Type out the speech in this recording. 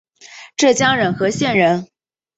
浙江仁和县人。